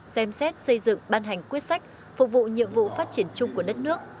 xem xét xây dựng ban hành quyết sách phục vụ nhiệm vụ phát triển chung của đất nước